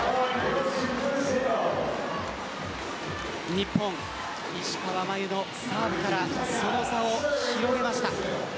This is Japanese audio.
日本、石川真佑のサーブからその差を広げました。